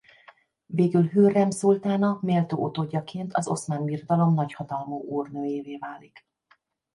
Végül Hürrem szultána méltó utódjaként az Oszmán Birodalom nagy hatalmú úrnőjévé válik.